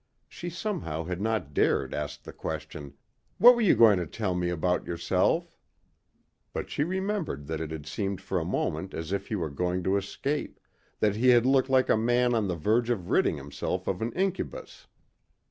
She somehow had not dared ask the question, "What were you going to tell me about yourself." But she remembered that it had seemed for a moment as if he were going to escape, that he had looked like a man on the verge of ridding himself of an incubus.